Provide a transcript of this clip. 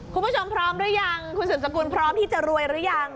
คุณผู้ชมพร้อมหรือยังคุณสุดสกุลพร้อมที่จะรวยหรือยัง